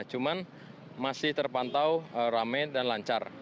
cuman masih terpantau rame dan lancar